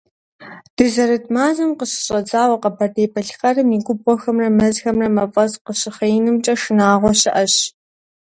Дызэрыт мазэм къыщыщӀэдзауэ Къэбэрдей-Балъкъэрым и губгъуэхэмрэ мэзхэмрэ мафӀэс къыщыхъеинымкӀэ шынагъуэ щыӀэщ.